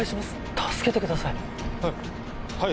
助けてくださいはっ